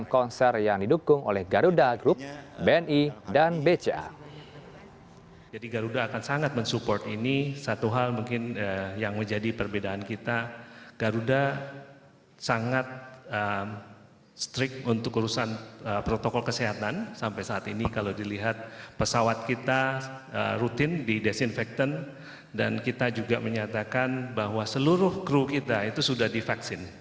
konser virtual ini diharapkan memberikan pengalaman baru bagi penonton dari lokasi masing masing dan dapat berinteraksi langsung kepada para idola